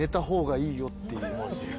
いいよっていう。